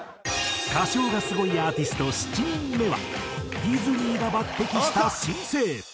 歌唱がスゴいアーティスト７人目はディズニーが抜擢した新星。